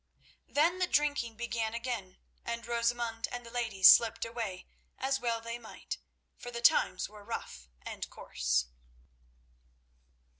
Then the drinking began again, and Rosamund and the ladies slipped away, as well they might—for the times were rough and coarse.